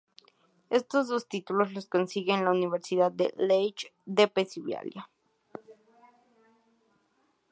Estos dos títulos los consigue en la Universidad de Lehigh, de Pennsylvania.